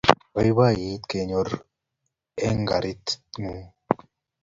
Boiboiyet kenyoru engaritingung